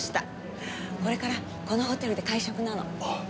これからこのホテルで会食なの。